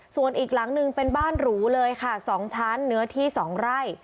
ส่วนอีกหลังหนึ่งเป็นบ้านหรูเลยค่ะ๒ชั้นเนื้อที่๒ไร่